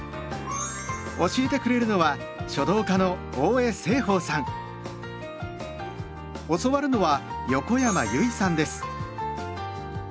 教えてくれるのは教わるのは横山由依さんです。